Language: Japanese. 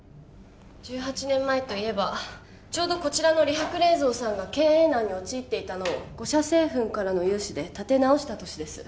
１８年前といえばちょうどこちらの理白冷蔵さんが経営難に陥っていたのを五車製粉からの融資で立て直した年です